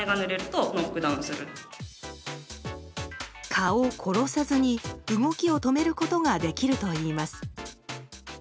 蚊を殺さずに動きを止めることができるといいます。